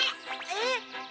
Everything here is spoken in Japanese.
えっ？